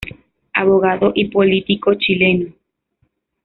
Abogado y político chileno.